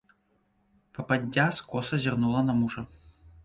Пападдзя скоса зірнула на мужа.